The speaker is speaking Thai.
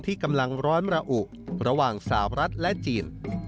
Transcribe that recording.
ที่กำลังร้อนระอุระหว่างสาวรัฐและจีน